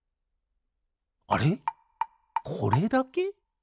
あれこれだけ？